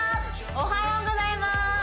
おはようございます